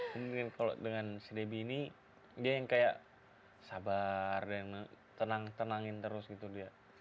mungkin kalau dengan si debbie ini dia yang kayak sabar dan tenang tenangin terus gitu dia